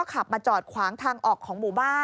นี่ค่ะคุณผู้ชมพอเราคุยกับเพื่อนบ้านเสร็จแล้วนะน้า